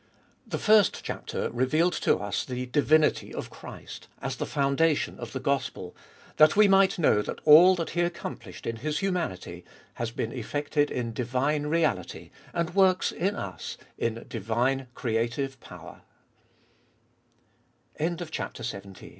3. The frst chapter revealed to us the diuinity of Christ, as the foundation of the gospel, that we might know that all that He accomplished in His humanity has been effected in divine reality, and works in us in diuine creati